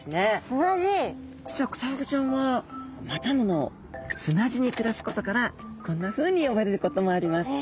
実はクサフグちゃんはまたの名を砂地に暮らすことからこんなふうに呼ばれることもあります。